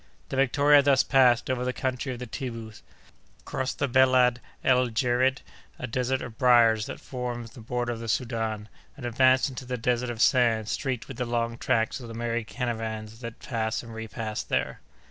The Victoria thus passed over the country of the Tibbous, crossed the Belad el Djerid, a desert of briers that forms the border of the Soudan, and advanced into the desert of sand streaked with the long tracks of the many caravans that pass and repass there.